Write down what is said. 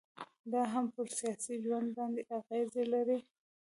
دا هم پر سياسي ژوند باندي اغيزي لري